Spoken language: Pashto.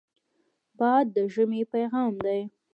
باد د ژمې پیغام دی